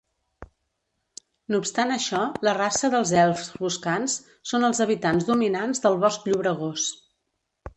No obstant això, la raça dels elfs boscans són els habitants dominants del Bosc Llobregós.